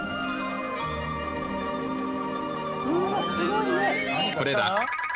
うわあすごいね！